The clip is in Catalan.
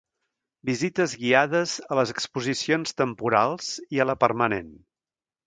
Visites guiades a les exposicions temporals i a la permanent.